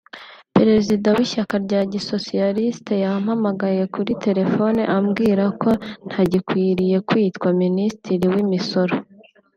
Perezida w’ishyaka rya gisosiyalisite yampamagaye kuri telefone ambwira ko ntagikwiriye kwitwa Minisitiri w’imisoro